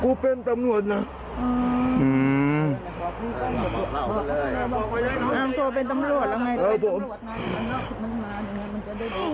อ๋อเขาถึงแล้วบอกน้องอังโก้เป็นตำรวจแล้วไง